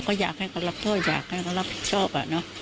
ก็อยากให้เขารับโทษอยากให้เขารับผิดชอบ